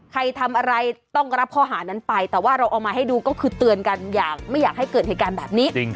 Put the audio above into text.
ใครทำอะไรต้องรับข้อหานั้นไปแต่ว่าเราเอามาให้ดูก็คือเตือนกันอย่างไม่อยากให้เกิดเหตุการณ์แบบนี้